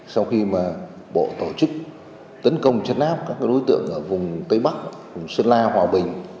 sau khi mà bộ tổ chức tấn công chấn áp các đối tượng ở vùng tây bắc vùng sơn la hòa bình